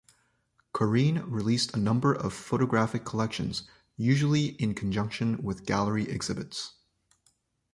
Korine released a number of photographic collections, usually in conjunction with gallery exhibits.